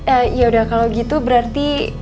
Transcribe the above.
eh yaudah kalau gitu berarti